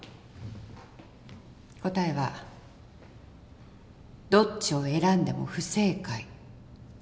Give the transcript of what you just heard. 答えはどっちを選んでも不正解。